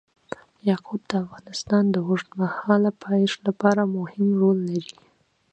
یاقوت د افغانستان د اوږدمهاله پایښت لپاره مهم رول لري.